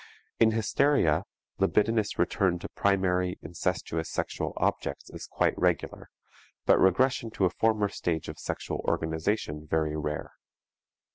In hysteria, libidinous return to primary, incestuous sexual objects is quite regular, but regression to a former stage of sexual organization very rare.